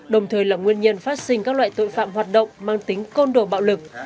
đồng thời là nguyên nhân phát sinh các loại tội phạm hoạt động mang tính côn đồ bạo lực